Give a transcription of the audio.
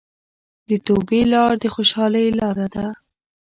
د توبې لار د خوشحالۍ لاره ده.